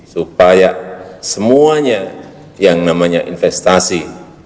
supaya semuanya yang namanya investasi